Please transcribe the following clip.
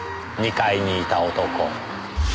２階にいた男。